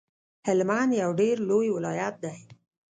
هلمند یو ډیر لوی ولایت دی